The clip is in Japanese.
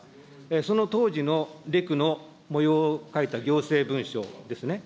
その当時のレクのもようを書いた行政文書ですね。